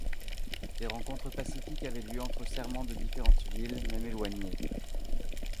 Des rencontres pacifiques avaient lieu entre Serments de différentes villes, même éloignées.